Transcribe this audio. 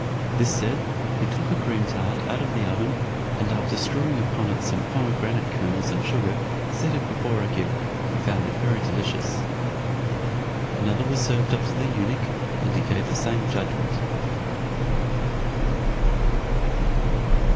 This said, he took a cream tart out of the oven, and after strewing upon it some pomegranate kernels and sugar, set it before Agib, who found it very delicious. Another was served up to the eunuch, and he gave the same judgment.